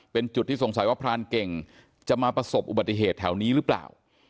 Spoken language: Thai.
เป็นจุดที่สงสัยว่าพรานเก่งจะมาประสบอุบัติเหตุแถวนี้หรือเปล่า